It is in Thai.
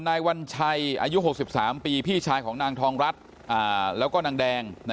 นายวัญชัยอายุ๖๓ปีพี่ชายของนางทองรัฐแล้วก็นางแดง